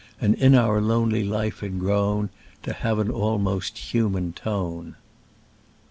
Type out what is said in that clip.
And in our lonely life had grown To have an almost human tone."